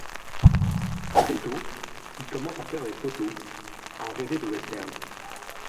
Très tôt, il commence à faire des photos, à rêver de westerns.